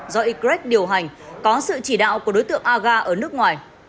do ygrec điều hành có sự chỉ đạo của đối tượng aga ở nước ngoài